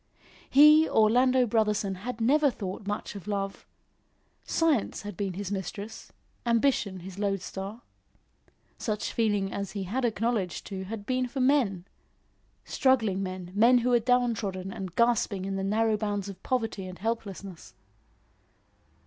He, Orlando Brotherson, had never thought much of love. Science had been his mistress; ambition his lode star. Such feeling as he had acknowledged to had been for men struggling men, men who were down trodden and gasping in the narrow bounds of poverty and helplessness.